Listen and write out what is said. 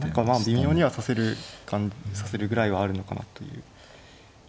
まあ微妙には指せるぐらいはあるのかなという。